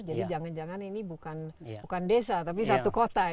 jadi jangan jangan ini bukan desa tapi satu kota ya